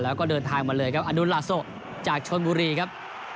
แล้วก็เดินทางมาเลยครับอดุลลาโซจากชนบุรีครับ